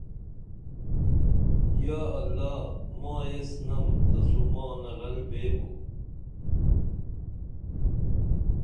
یا اللہ ما ایس نم تسومانہ رل بیبو